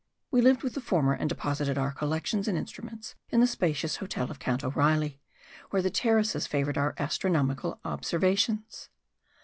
We lived with the former and deposited our collections and instruments in the spacious hotel of Count O'Reilly, where the terraces favoured our astronomical observations.